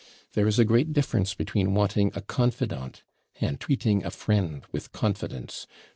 There is a great difference between wanting a CONFIDANTE, and treating a friend with confidence.